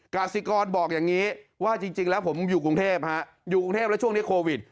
กาศิกรบอกอย่างนี้ว่าจริงแล้วผมอยู่กรุงเทพฮะอยู่กรุงเทพแล้วช่วงนี้โควิด